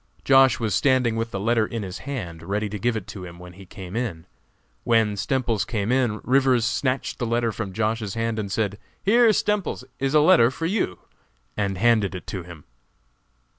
Josh. was standing with the letter in his hand ready to give it to him when he came in. When Stemples came in Rivers snatched the letter from Josh.'s hand and said: "Here, Stemples, is a letter for you!" and handed it to him.